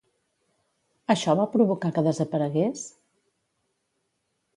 Això va provocar que desaparegués?